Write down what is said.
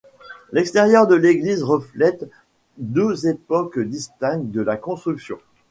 L'extérieur de l'église reflète deux époques distinctes de la construction.